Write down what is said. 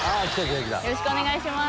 よろしくお願いします。